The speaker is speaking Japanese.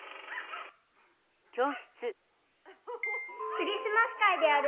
クリスマス会でやる